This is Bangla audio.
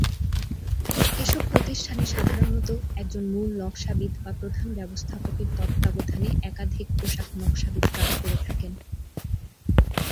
এসব প্রতিষ্ঠানে সাধারণত একজন মূল নকশাবিদ বা প্রধান ব্যবস্থাপকের তত্ত্বাবধানে একাধিক পোশাক নকশাবিদ কাজ করে থাকেন।